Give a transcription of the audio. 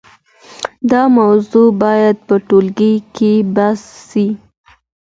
دا موضوع باید په ټولګي کي بحث سي.